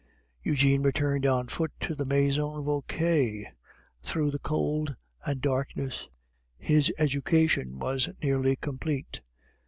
Eugene returned on foot to the Maison Vauquer through the cold and darkness. His education was nearly complete.